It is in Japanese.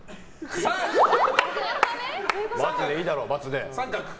×でいいだろ、×で。